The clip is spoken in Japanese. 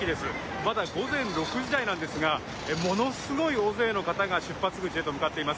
まだ午前６時台なんですがものすごい大勢の方が出発口へと向かっています。